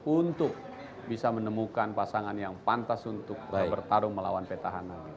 untuk bisa menemukan pasangan yang pantas untuk bertarung melawan petahana